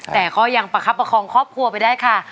แต่ก็ยังประคับประคองครอบครัวไปได้ค่ะ